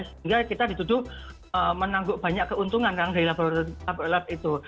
sehingga kita ditutup menanggung banyak keuntungan kan dari laboratorium lab itu